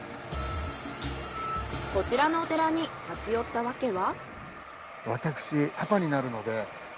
こちらのお寺に立ち寄ったわけは？